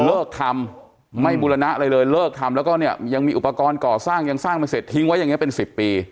เลิกทำไม่บุรณะอะไรเลยเลิกทำแล้วก็เนี่ยยังมีอุปกรณ์ก่อสร้างยังสร้างไม่เสร็จทิ้งไว้อย่างนี้เป็น๑๐ปี